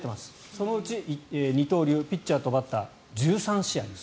そのうち二刀流ピッチャーとバッター１３試合です。